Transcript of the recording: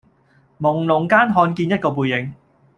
濛朧間看見一個背影